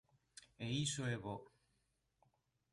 E iso é bo.